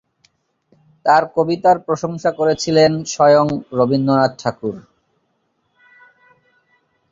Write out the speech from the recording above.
তার কবিতার প্রশংসা করেছিলেন স্বয়ং কবি রবীন্দ্রনাথ ঠাকুর।